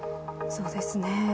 そうですね。